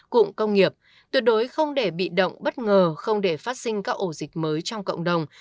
cụm công nghiệp tuyệt đối không để bị động bất ngờ không để phát sinh các ổ dịch mới trong cộng đồng